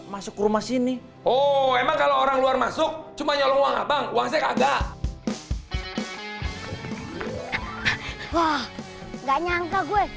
masuk rumah sini o mama kalo orang luar masuk di mana luar burdensur aga wah gak nyangka gue